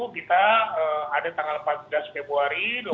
kita ada tanggal empat belas februari